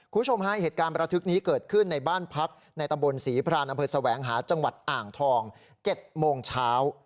คุณผู้ชมฮะเหตุการณ์ประทึกนี้เกิดขึ้นในบ้านพักในตำบลศรีพรานอำเภอแสวงหาจังหวัดอ่างทอง๗โมงเช้า